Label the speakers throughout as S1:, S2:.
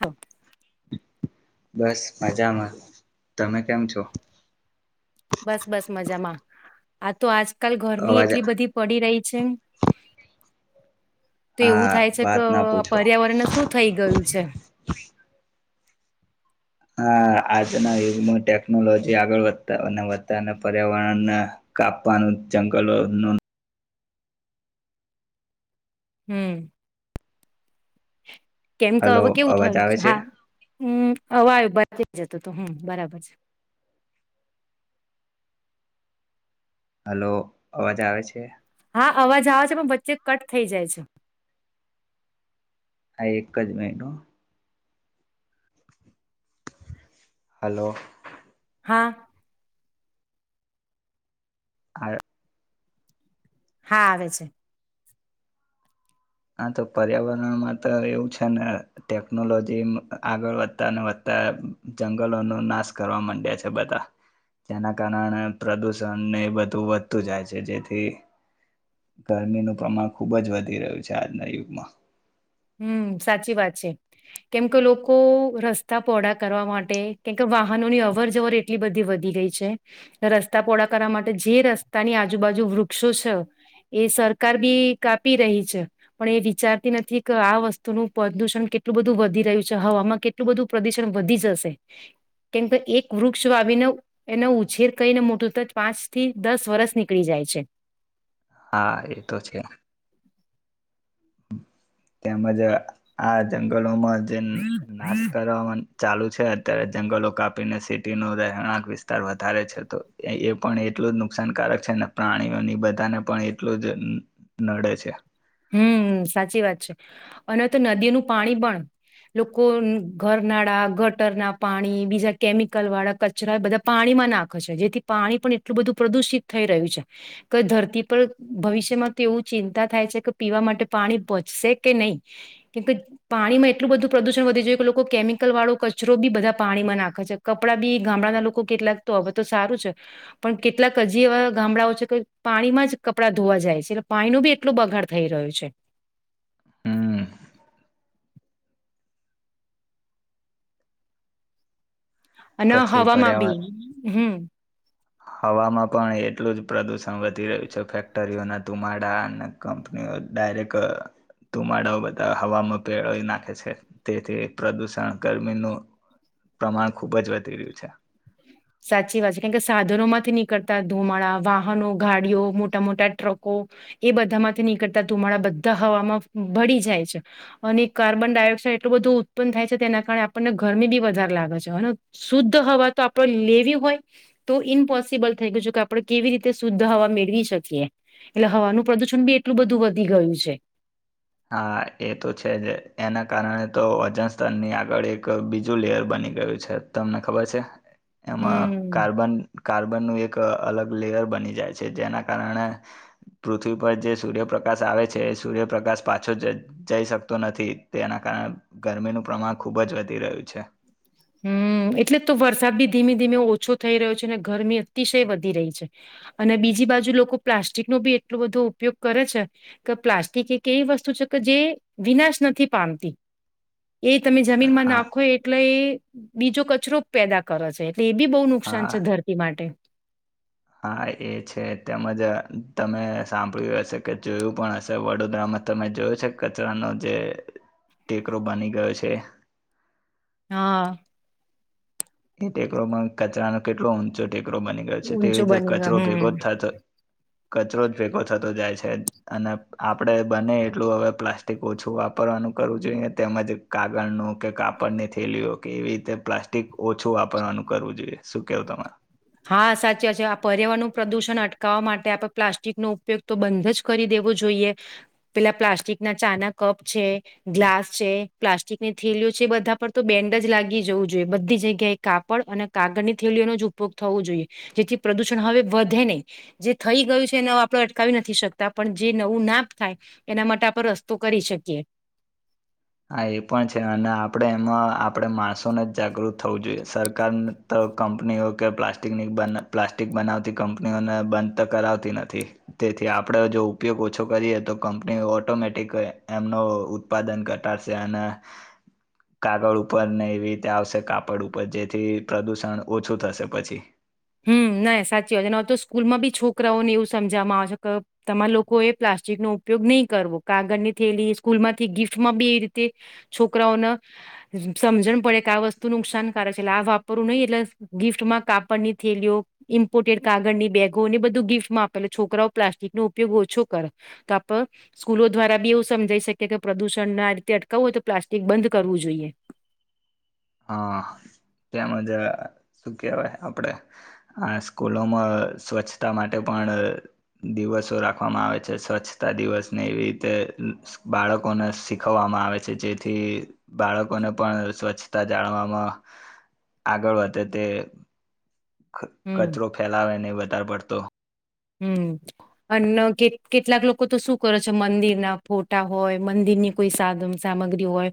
S1: હો
S2: બસ મજામાં તમે કેમ છો
S1: બસ બસ મજામાં આ તો આજ કાલ ગરમી
S2: અવાજ
S1: એટલી બધી પડી રહી છે તો એવું
S2: હા
S1: થાય છે કે
S2: વાત ના પૂછો
S1: પર્યાવરણને શું થઈ ગયું છે.
S2: હા આજના યુગમાં ટેકનોલોજી આગળ વધતા અને વધતાને પર્યાવરણને કાપવાનું જંગલોનું
S1: હમ કેમ કે
S2: હલો
S1: હવે કેવું
S2: અવાજ
S1: થયું
S2: આવે
S1: છે હા હમ હવે આયુ બારથી જતુ હતુ હમ બરાબર છે.
S2: હલો અવાજ આવે છે.
S1: હા અવાજ આવે છે પણ વચ્ચે કટ થઈ જાય છે.
S2: હા એક જ મિનીટ હ હલો
S1: હા
S2: હા
S1: હા આવે છે.
S2: હા તો પર્યાવરણમાં તો એવું છે ને ટેકનોલોજી આગળ વધતાને વધતા જંગલોનો નાશ કરવા માંડ્યા છે બધા જેના કારણે પ્રદુષણને બધું વધતું જાય છે જેથી ગરમીનું પ્રમાણ ખુબ જ વધી રહ્યું છે. છે આજના યુગમાં
S1: હમ સાચી વાત છે કેમ કે લોકો રસ્તા પહોળા કરવા માટે કેમ કે વાહનોની અવર જવર એટલી બધી વધી ગઈ છે રસ્તા પહોળા કરવા માટે જે રસ્તાની આજુબાજુ વૃક્ષો છે એ સરકાર બી કાપી રહી છે પણ એ વિચારતી નથી કે આ વસ્તુનું પ્રદુષણ કેટલું બધું વધી રહ્યું છે હવામાં કેટલું બધું પ્રદુષણ વધી જશે કેમકે એક વૃક્ષ વાવીને એનો ઉછેર કરીને મોટું થતા પાંચથી દસ વર્ષ નીકળી જાય છે.
S2: હા એ તો છે. તેમજ આ આ જંગલોમાં જે નાશ કર ચાલુ છે અત્યારે જંગલો કાપીને સિટી ન રહેણાંક વિસ્તાર વધારે છે તો એ પણ એટલું જ નુકસાનકારક છે ને પ્રાણીઓની બધાને પણ એટલું જ નડે છે
S1: હમ સાચી વાત છે અને તો નદીનું પાણી પણ લોકો ઘરનાળા ગટરના પાણી બીજા કેમિકલ વાળા કચરા બધા પાણીમાં નાખે છે જેથી પાણી પણ એટલું બધું પ્રદુષિત થઈ રહ્યું છે કે ધરતી પર ભવિષ્યમાં તો એવું ચિંતા થાય છે કે પીવા માટે પાણી બચશે કે નહી કેમકે પાણીમાં એટલું બધું પ્રદુષણ વધી જોય કે લોકો કેમિકલ વાળો કચરો બી બધા પાણીમાં નાખે છે કપડાં બી ગામડાના લોકો કેટલાક તો હવે તો સારું છે પણ કેટલાક હજી એવા ગામડાઓ છે કે પાણીમાં જ કપડાં ધોવા જાય છે એટલે પાણીનો બી એટલો બગાડ થઈ રહ્યું છે
S2: હમ
S1: અને
S2: પછી
S1: હવામાં
S2: પર્યાવરણ
S1: બી હમ
S2: હવામાં પણ એટલું જ પ્રદુષણ વધી રહ્યું છે ફેક્ટરીઓના ધુમાડા અને કંપનીઓ ડાયરેક્ટ ધુમાડાઓ બધા હવામાં પેળી નાખે છે તેથી પ્રદુષણ ગરમીનું પ્રમાણ ખૂબ જ વધી રહ્યું છે
S1: સાચી વાત છે કેમ કે સાધનો માંથી નીકળતા ધુમાડા વાહનો ગાડીઓ મોટા મોટા ટ્રકો એ બધામાંથી નીકળતા ધુમાડા બધા હવામાં ભળી જાય છે અને કાર્બન ડાયોક્સાઇડ એટલું બધું ઉત્પન્ન થાય છે તેના કારણે આપણને ગરમી બી વધારે લાગે છે અને શુદ્ધ હવા તો આપ લેવવી હોય તો ઇમ્પોસિબલ થઈ ગયું છે કે આપણે કેવી રીતે શુદ્ધ હવા મેળવી શકીએ એટલે હવાનું પ્રદુષણ બી એટલું બધું વધી ગયું છે
S2: હા એ તો છે જ એના કારણે તો વજન સ્તરની આગળ એક બીજું લેયર બની ગયું છે તમને ખબર છે એમાં
S1: હમ
S2: કાર્બન કાર્બનનું એક અલગ લેયર બની જાય છે જેના કારણે પૃથ્વી પર જે સૂર્યપ્રકાશ આવે છે એ સૂર્યપ્રકાશ પાછો જ જઈ શકતો નથી તેના કારણે ગરમીનું પ્રમાણ ખુબ જ વધી રહ્યું છે.
S1: હમ એટલે તો વરસાદ બી ધીમે ધીમે ઓછો થઈ રહ્યો છે અને ગરમી અતિશય વધી રહી છે અને બીજી બાજુ લોકો પ્લાસ્ટિકનો બી એટલો બધો ઉપયોગ કરે છે કે પ્લાસ્ટિક એક એવી વસ્તુ છે કે જે વિનાશ નથી પામતી એ તમે જમીન માં
S2: હા
S1: નાખો એટલે એ બીજો કચરો પેદા કરે છે. એ બી બહુ નુકસાન
S2: હા
S1: છે ધરતી માટે
S2: હા એ છે તેમજ તમે સાંભળ્યું હશે કે જોયું પણ હશે વડોદરામાં તમે જોયો છે કચરાનો જે ટેકરો બની ગયો છે.
S1: હા
S2: એ ટેકરોમાં કચરાનો કેટલો ઊંચો ટેકરો બની ગયો છે તેવી રીતે કચરો ભેગો
S1: હમ્મ,
S2: જ થાય તો કચરો જ ભેગો થતો જાય છે અને આપડે બને એટલું હવે પ્લાસ્ટિક ઓછું વાપરવાનું કરવું જોઈએ તેમજ કાગળનું કે કાપડની થેલીઓ કે એવી રીતે પ્લાસ્ટિક ઓછું વાપરવાનું કરવું જોઈએ શું કેવું તમે
S1: હા સાચી છે આ પર્યાવરણ નુ પ્રદુષણ અટકાવવા માટે આપે પ્લાસ્ટિકનો ઉપયોગ તો બંધ જ કરી દેવો જોઈએ પેલા પ્લાસ્ટિક ના ચાના કપ છે ગ્લાસ છે પ્લાસ્ટિકની થેલીઓ છે બધા પર તો બેન્ડ જ લાગી જવું જોઈએ બધી જગ્યાએ કાપડ અને કાગળની થેલીઓનો જ ઉ ઉપગ થવો જોઈએ જેથી પ્રદુષણ હવે વધે નહી જે થઈ ગયું છે એ ન આપણે અટકાવી નથી શકતા પણ જે નવું નાપ થાય એના માટે આપણે રસ્તો કરી શકીએ
S2: હા એ પણ છે અને આપણે એમાં આપણે માણસોને જાગૃત થવું જોઈએ સરકાર તો કંપનીઓ કે પ્લાસ્ટિકની પ્લાસ્ટિક બનાવતી કંપનીઓને બંધ તો કરાવતી નથી તેથી આપણે જો ઉપયોગ ઓછો કરીએ તો કંપનીઓ ઓટોમેટિક એમનો ઉત્પાદન કર ટશે અને કાગળ ઉપર ને એવી રીતે આવશે કાપડ ઉપર જેથી પ્રદુષણ ઓછું થશે પછી
S1: હમ ના સાચી વાત છે ને હવે તો સ્કૂલમાં બી છોકરાઓને એવું સમજવામાં આવે છે કે તમારા લોકો એ પ્લાસ્ટિકનોો ઉપયોગ નહી કરવો કાગળની થયેલી સ્કૂલ માંથી ગિફ્ટમાં બી એ રીતે છોકરાઓને સમજણ પડે કે આ વસ્તુ નુકસાનકારક છે એટલે આ વાપરવું નહી એટલે ગિફ્ટમાં કાપડની થલીઓ ઇમ્પોર્ટેડ કાગળની બેગો એને બધું ગિફ્ટમાં આપેલ છોકરાઓ પ્લાસ્ટિક નો ઉપયોગ ઓછો કર તો આપ સ્કૂલો દ્વારા બી એવું સમજાઈ શકીએ કે પ્રદુષણ આ રીતે અટકાવવું હોય તો પ્લાસ્ટિક બંધ કરવું જોઈએ.
S2: હા તેમજ શું કહેવાય આપણે આ સ્કૂલોમાં સ્વચ્છતા માટે પણ દિવસો રાખવામાં આવે છે સ્વચ્છતા દિવસને એવી રીતે બાળકોને શીખવવામાં આવે છે જેથી બાળકોને પણ સ્વચ્છ જાણવામાં આગળ વધે તે
S1: હમ
S2: કચરો ફેલાવે ને ધાર પડતો
S1: હમ અને કે કેટલાક લોકો તો શું કરે છે મંદિરના ફોટા હોય મંદિરની કોઈ સાધન સામગ્રી હોય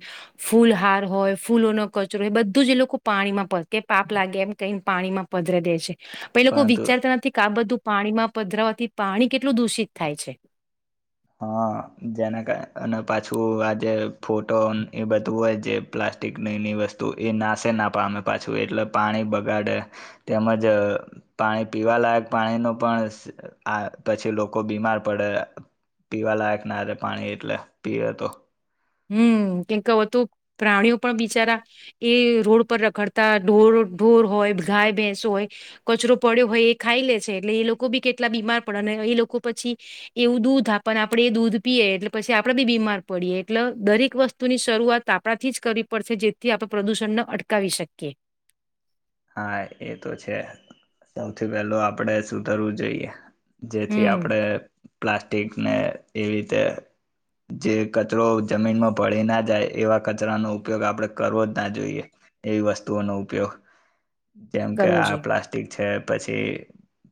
S1: ફૂલહાર હોય ફૂલોનો કચરો હોય બધું જ એ લોકો પાણીમાં પ કે પાપ લાગે એમ કઈને પાણીમાં પધરે દે છે પે લોકો
S2: પરંતુ
S1: વિચારતા નથી કે આ બધું પાણીમાં પધરાવાથી પાણી કેટલું દૂષિત થાય છે.
S2: હા જેના કાર અને પાછું આજે ફોટો એ બધું હોય જે પ્લાસ્ટિકની વસ્તુ એ નાશે ના પામે પાછું એટલે પાણી બગાડે તેમજ પાણી પીવાલાયક પાણીનું પણ આ પછી લોકો બીમાર પડે પીવા લાયક ના રે પાણી એટલે પીવે તો
S1: હમ કેમ કે હવે તો પ્રાણીઓ પણ બિચારા એ રોડ પર રખડતા ઢોર ઢોર હોય ગાય ભેંસ હોય કચરો પડ્યો હોય એ ખાઈ લે છે એટલે એ લોકો બી કેટલા બીમાર પડે અને એ લોકો પછી એવું દૂધ આપને આપડે એ દૂધ પીએ એટલે પછી આપડે બી બીમાર પડીએ એટલે દરેક વસ્તુની શરૂઆત આપણાથી જ કરવી પડશે જેથી આપણે પ્રદૂષણને અટકાવી શકીએ
S2: હા એ તો છે સૌથી પહેલો આપણેે સુધરવું જોઈએ જેથી
S1: હમ
S2: આપડે પ્લાસ ટીક ને એવી રીતે જે કચરો જમીનમાં ભળી ના જાય એવા કચરાનો ઉપયોગ આપણે કરવો જ ના જોઈએ એવી વસ્તુઓનો ઉપયોગ જેમ કે
S1: કરવું
S2: આ
S1: જોઈએ
S2: પ્લાસ્ટિક છે. પછી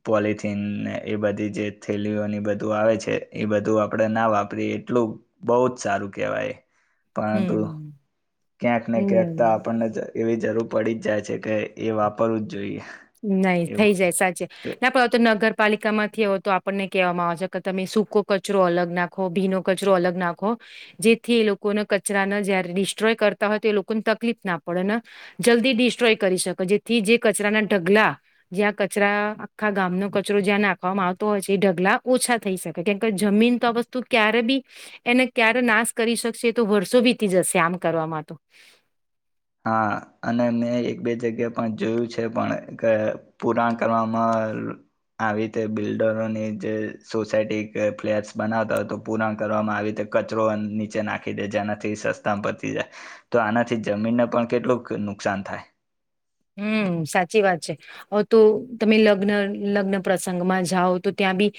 S2: પોલથીન ને એ બધી જે થેલીઓની બધું આવે છે એ બધું આપણેે ના વાપરીએ એટલું બહુ જ સારું કેહેવાય પરંતુ
S1: હમ
S2: ક્યાંક ને ક્યાંક તો
S1: હમ
S2: આપણને જ‌ એ એ જરૂર પડી જ જાય છે કે એ વાપરવું જ જોઈએ.
S1: નહી
S2: એવું
S1: થઈ જાય સાચે ના પડ તો નગર પાલિકામાંથી હો તો આપણને કહેવામાં આવે છે કે તમે સૂકો કચરો અલગ નાખો ભીનો કચરો અલગ નાખો જેથી એ લોકોને કચરાને જયારે ડિસ્ટ્રોય કરતા હોય તો એ લોકોને તકલીફ ના પડે ને જલ્દી ડિસ્ટ્રોય કરી શકે જેથી જે કચરાના ઢગલા જ્યાં કચરા આખા ગામનો કચરો જ્યાં નાખવામાં આવતો હોય છે એ ઢગલા ઓછા થઈ શકે કેમ કે જમીન તો આ વસ્તુ ક્યારે બી એને ક્યારે નાશ કરી શકશે તો વર્ષો વીતી જશે આમ કરવામાં તો
S2: હા અને મેં એક બે જગ્યા પણ જોયું છે પણ કે પૂરાણ કરવામાં આવી રતે બિલ્ડરોની જે સોસાયટી કે ફ્લેટસ બનાવતા હોય તો પૂરાણ કરવામાં આવી રીતે કચરો નીચે નાખી દે જેનાથી સસ્તા પતી જાય તો આનાથી જમીનને પણ કેટલુંક નુકસાન થાય.
S1: હમ્મ સાચી વાત છે હવે તો તમે લગ્ન લગ્ન પ્રસંગમાં જાઓ તો ત્યાં બી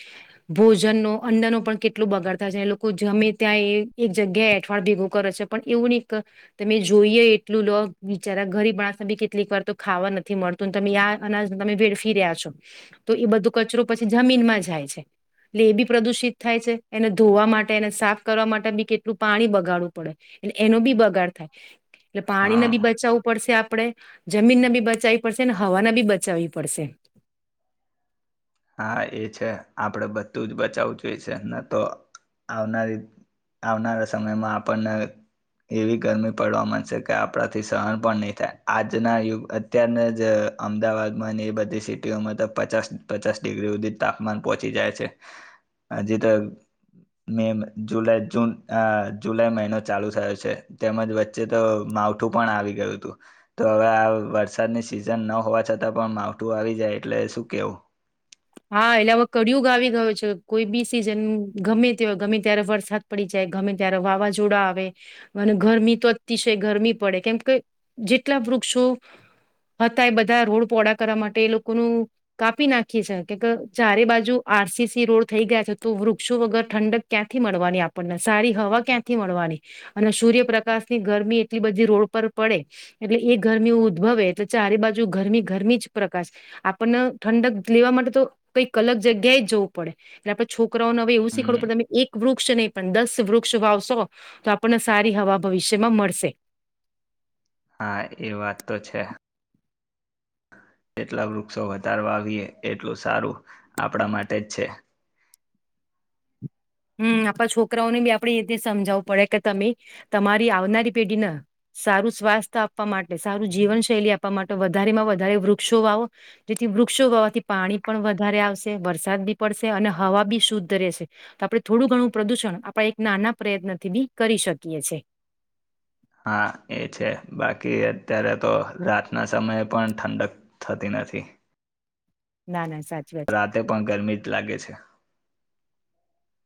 S1: ભોજનનો અંદનો પણ કેટલું બગાડતા થશે એ લોકો જમે ત્યાં એક જગ્યાએ એઠવાળ ભેગું કરે છે પણ એવું ની તમે જોઈએ એટલું લો વિચારા ગરીબ માણાસ બી કેટલી કર તો ખાવા નથી મળતું તમે આ અનાજ તમે વેડફી રહ્યા છો તો એ બધો કચરો પછી જમીનમાં જાય છે એટલે એ બી પ્રદુષિત થાય છે એને ધોવા માટે એને સાફ કરવા માટે બી કેટલું પાણી બગાડવું પડે એનો બી બગાડ થાય એટલે પાણીને
S2: હા
S1: બી બચાવવું પડશે આપ આપણે જમીનને બી બચાવવી પડશે અને હવાને બી બચાવવી પડશે.
S2: હા એ છે આપણેે બધું જ બચાવવું જોઈએ છે ને તો આવનારી આવનારા સમયમાં આપણને એવી ગરમી પડવા મનશે કે આપણાથી સહન પણ નહી થાય આજના યુગ અત્યારને જ અમદાવાદમાં ને એ બધી સિટીઓમાં તો પચાસ પચાસ ડિગ્રી સુધી જ તાપમાન પહોંચી જાય છે હજી તો મે જુલાઈ જૂન અ જુલાઈ મહિનો ચાલુ થયો છે તેમજ વચ્ચે તો માવઠું પણ આવી ગયું હતું તો હવે આ વરસાદની સિઝન નો હોવા છતાં પણ માવઠું આવી જાય એટલે શું કેવું
S1: હા એટલે હવે કડિયુગ આવી ગયો છે કોઈ બી સિઝન ગમે તેવા ગમે ત્યારે વરસાદ પડી જાય ગમે ત્યારે વાવાઝોડા આવે અને ગરમી તો અતિશય ગરમી પડે કેમ કે જેટલા વૃક્ષો હતા એ બધા રોડ પહોળા કરવા માટે એ લોકોનું કાપી નાખી છે. કે ક ચારે બાજુ આરસીસી રોડ થઈ ગયા છે તો વૃક્ષો વગર ઠંડક ક્યાંથી મળવાની આપણને સારી હવા ક્યાંથી મળવાની અને સૂર્યપ્રકાશની ગરમી એટલી બધી રોડ પર પડે એટલે એ ગરમી ઉદ્ભવે એટલે ચારે બાજુ ગરમી ગરમી જ પ્રકાશ આપણને ઠંડક લેવા માટે તો કંઈક અલગ જગ્યાએ જવું પડે એટલે આપણે છોકરાઓને હવે એવું શીખવાડવું
S2: હમ
S1: પડે ને એક વૃક્ષ નહીં પણ દસ વૃક્ષ વાવશો તો આપણને સારી હવા ભવિષ્યમાં મળશે.
S2: હા એ વાત તો છે એટલા વૃક્ષો વધારવા આવીએ એટલું સારું આપણા માટે જ છે.
S1: હમ્મ આપણા છોકરાઓને બી આપણે એ રીતે સમજાવવું પડે કે તમે તમારી આવનારી પેઢીને સારું સ્વાસ્થ આપવા માટે સારું જીવનશૈલી આપવા માટે વધારેમાં વધારે વૃક્ષો વાવો જેથી વૃક્ષો વાવાથી પાણી પણ વધારે આવશે વરસાદ બી પડશે અને હવા બી શુદ્ધ રહેશે આપડ થોડું ઘણું પ્રદૂષણ આપણે એક નાના પ્રયત્નથી બી કરી શકીએ છે.
S2: હા એ છે બાકી અત્યારે તો રાતના સમયે પણ ઠંડક થતી નથી.
S1: ના ના સાચી વાત છે.
S2: રાતે પણ ગરમી જ લાગે છે.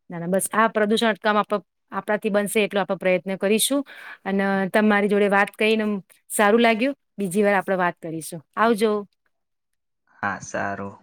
S1: ના ના બસ આ પ્રદુષણ અટકાવવા આપ આપણાથી બનશે એટલો આપણે પ્રયત્ન કરીશું અને તમારી જોડે વાત કરીને સારું લાગ્યું બીજી વાર આપણેે વાત કરીશું આવજો
S2: હા સારું